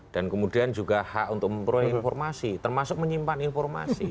dan kemudian juga hak untuk memperoleh informasi termasuk menyimpan informasi